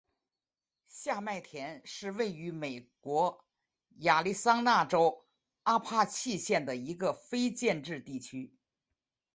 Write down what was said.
下麦田是位于美国亚利桑那州阿帕契县的一个非建制地区。